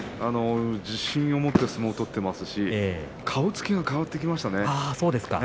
自信を持って相撲を取っていますし顔つきが変わってきましたね。